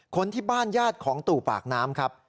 คนที่บ้านญาติของตู่ปากน้ำครับ